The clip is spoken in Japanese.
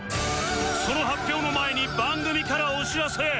その発表の前に番組からお知らせ！